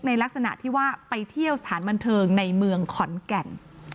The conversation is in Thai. ลักษณะที่ว่าไปเที่ยวสถานบันเทิงในเมืองขอนแก่น